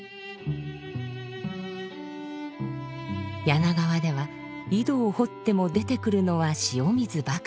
柳川では井戸を掘っても出てくるのは塩水ばかり。